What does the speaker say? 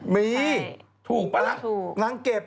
มีถูกปะละ